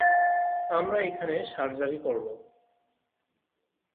আমরা এখানে সার্জারি করবো।